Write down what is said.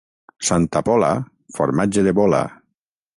Santa Pola, formatge de bola!